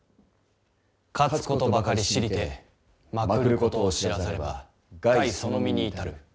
「勝事ばかり知りて負くることを知らざれば害その身にいたる。